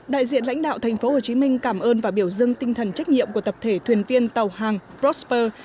đại diện lãnh đạo tp hcm cảm ơn và biểu dưng tinh thần trách nhiệm của tập thể thuyền viên tàu hàng prosper